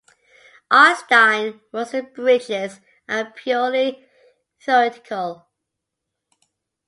Einstein-Rosen Bridges are purely theoretical.